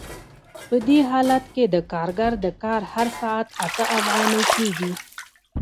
په دې حالت کې د کارګر د کار هر ساعت اته افغانۍ کېږي